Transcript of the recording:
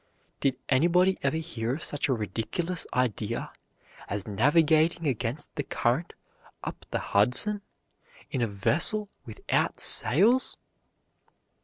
Did anybody ever hear of such a ridiculous idea as navigating against the current up the Hudson in a vessel without sails?